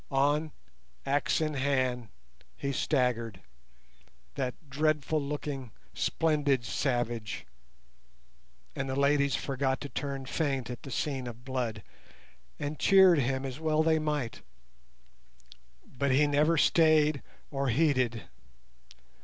On, axe in hand, he staggered, that dreadful looking, splendid savage, and the ladies forgot to turn faint at the scene of blood, and cheered him, as well they might, but he never stayed or heeded.